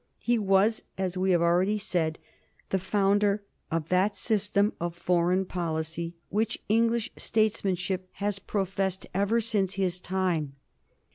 He was, as we have already said, the founder of that system of foreign policy which English statesmanship has professed ever since his time.